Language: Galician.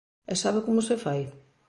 ¿E sabe como se fai?